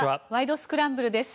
スクランブル」です。